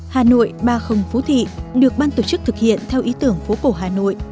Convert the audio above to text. hà nội ba phú thị được ban tổ chức thực hiện theo ý tưởng phố cổ hà nội